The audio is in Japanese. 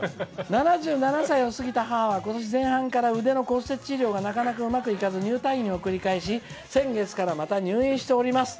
「７７歳を過ぎた母は今年前半から腕の骨折治療がなかなかうまくいかず入退院を繰り返し、先月からまた入院しております」。